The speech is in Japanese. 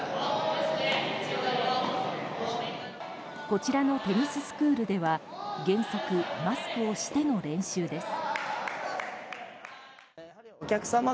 こちらのテニススクールでは原則、マスクをしての練習です。